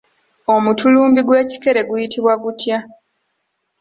Omutulumbi gw'ekikere guyitibwa gutya?